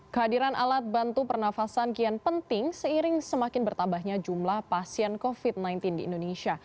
kehadiran alat bantu pernafasan kian penting seiring semakin bertambahnya jumlah pasien covid sembilan belas di indonesia